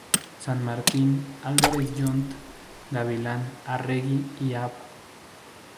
San Martín, Álvarez Jonte, Gavilán, Arregui y Av.